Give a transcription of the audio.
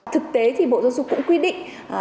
thực tế thì bộ giáo dục cũng quy định